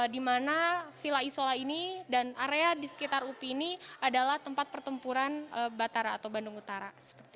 di mana villa isola ini dan area di sekitar upi ini adalah tempat pertempuran batara atau bandung utara